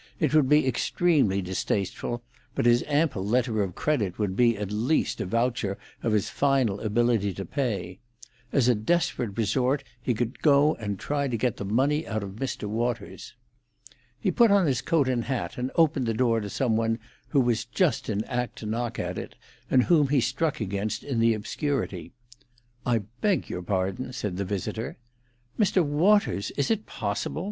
It would be extremely distasteful, but his ample letter of credit would be at least a voucher of his final ability to pay. As a desperate resort he could go and try to get the money of Mr. Waters. He put on his coat and hat, and opened the door to some one who was just in act to knock at it, and whom he struck against in the obscurity. "I beg your pardon," said the visitor. "Mr. Waters! Is it possible?"